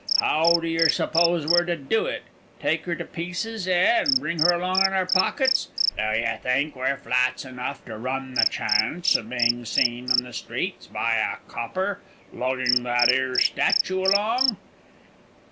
"How do yer suppose we're to do it take her to pieces, eh, and bring her along in our pockets? Do you think we're flats enough to run the chance of being seen in the streets by a copper, lugging that 'ere statue along?"